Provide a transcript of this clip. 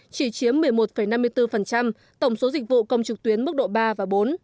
chỉ chiếm một mươi một năm mươi bốn tổng số dịch vụ công trực tuyến mức độ ba và bốn